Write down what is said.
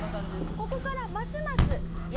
ここからますます何？